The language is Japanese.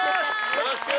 よろしく！